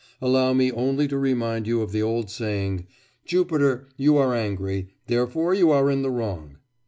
Allow me only to remind you of the old saying, "Jupiter, you are angry; therefore you are in the wrong."